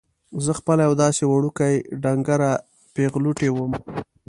زه خپله یوه داسې وړوکې ډنګره پېغلوټې وم.